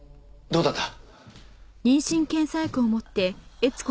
どうだった？